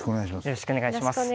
よろしくお願いします。